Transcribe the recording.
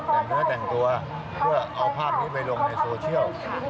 แต่งเนื้อแต่งตัวเพื่อเอาภาพนี้ไปลงในโซเชียล